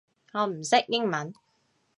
我唔識英文